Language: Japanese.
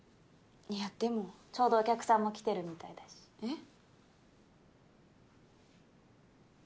いやでもちょうどお客さんも来てるみたいだしえっ？